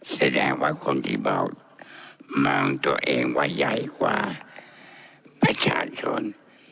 แสดงว่าคนที่บอกมองตัวเองว่าใหญ่กว่าประชาชน